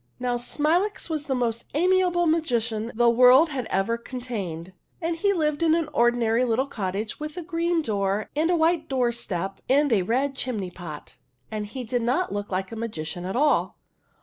Now, Smilax was the most amiable magician the world has ever contained, and he lived in an ordinary little cottage with a green door and a white doorstep and a red chimney pot, and he did not look like a magician at all.